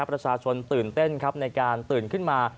ประชาชนตื่นเต้นครับในการตื่นขึ้นมา